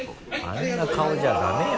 あんな顔じゃダメよ。